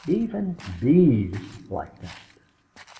Even Bee's like that!"